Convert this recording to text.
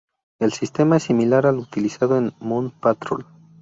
El sistema es similar al utilizado en "Moon Patrol".